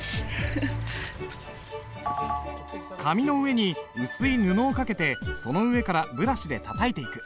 紙の上に薄い布をかけてその上からブラシでたたいていく。